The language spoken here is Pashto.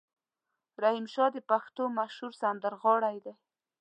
رحیم شا د پښتو مشهور سندرغاړی دی.